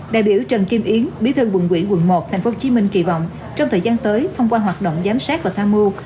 đại biểu trần kim yến bí thư quận ủy quận một tp hcm kỳ vọng trong thời gian tới thông qua hoạt động giám sát và tham mưu